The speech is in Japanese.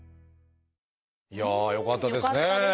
いやあよかったですね。